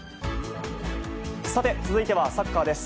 さて、続いてはサッカーです。